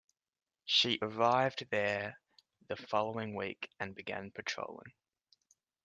She arrived there the following week and began patrolling.